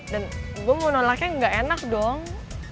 dan gue mau nolaknya gak enak dong